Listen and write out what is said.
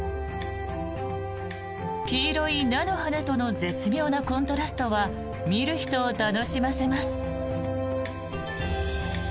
黄色い菜の花との絶妙なコントラストは見る人を楽しませます。